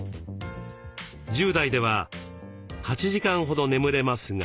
１０代では８時間ほど眠れますが。